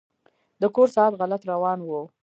د کور ساعت غلط روان و.